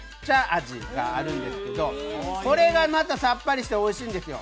味があるんですけどこれがまたさっぱりしておいしいんですよ。